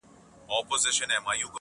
ژوند سرینده نه ده، چي بیا یې وږغوم.